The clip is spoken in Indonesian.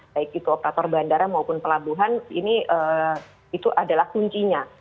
baik itu operator bandara maupun pelabuhan itu adalah kuncinya